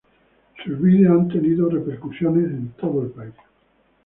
Sus videos han tenido repercusiones en todo el país.